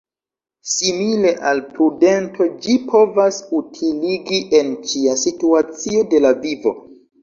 Simile al prudento ĝi povas utiligi en ĉia situacio de la vivo.